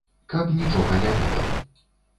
Каб нічога не ведаў.